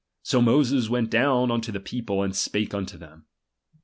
So Moses went ^H down unto the people, and spake unto them.